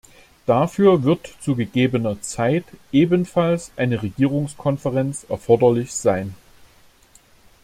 Dafür wird zu gegebener Zeit ebenfalls eine Regierungskonferenz erforderlich sein.